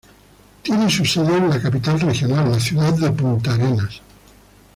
Tiene su sede en la capital regional, la ciudad de Punta Arenas.